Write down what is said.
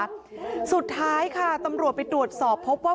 สุดท้ายค่ะตำรวจไปตรวจสอบพบว่า